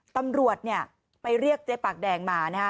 ตำรวจเนี่ยไปเรียกเจ๊ปากแดงมานะฮะ